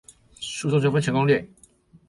訴訟糾紛全攻略